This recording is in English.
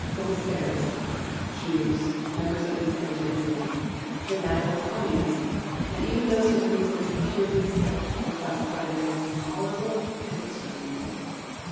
Commissars, Jews, members of the intelligentsia, "fanatical Communists" and even those who were considered incurably sick were classified as "intolerable", and exterminated.